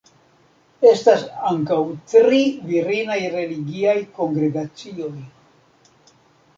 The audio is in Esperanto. Estas ankaŭ tri virinaj religiaj kongregacioj.